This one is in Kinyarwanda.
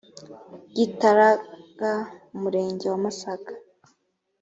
gitaraga umurenge wa masaka